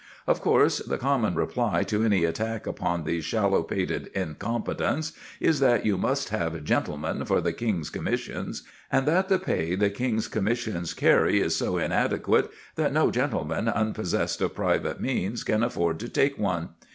Of course, the common reply to any attack upon these shallow pated incompetents is that you must have gentlemen for the King's commissions, and that the pay the King's commissions carry is so inadequate that no gentleman unpossessed of private means can afford to take one.